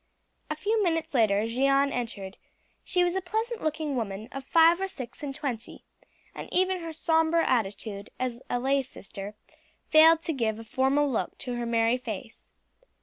A few minutes later Jeanne entered; she was a pleasant looking woman of five or six and twenty, and even her sombre attire as a lay sister failed to give a formal look to her merry face.